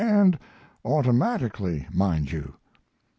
And automatically, mind you.